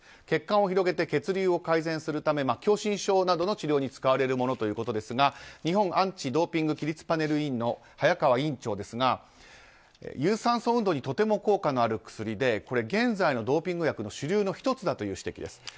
血管を広げて血流を改善するため狭心症などの治療に使われるものということですが日本アンチ・ドーピング規律パネル委員の早川委員長ですが、有酸素運動にとても効果がある薬で現在のドーピング薬の主流の１つだということです。